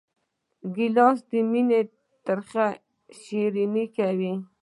ګیلاس د مینې ترخه شیرین کوي.